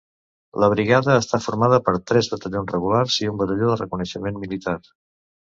La brigada està formada per tres batallons regulars i un batalló de reconeixement militar.